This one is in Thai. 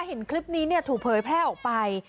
เห็นคลิปนี้ถูกเผยแพร่ออกไป